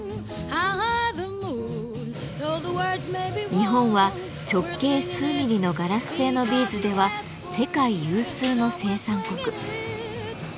日本は直径数ミリのガラス製のビーズでは世界有数の生産国。